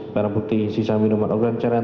barang bukti sisa minuman ogan cairan